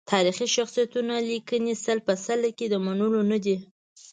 تاریخي شخصیتونو لیکنې سل په سل کې د منلو ندي.